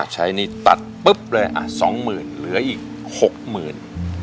ใช้นี่ตัดปุ๊บเลยสองหมื่นเหลืออีกหกหมื่น